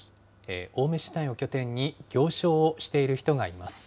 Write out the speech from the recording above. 青梅市内を拠点に行商をしている人がいます。